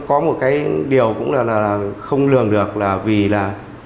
thì nó có một cái điều cũng là không lường được là vì là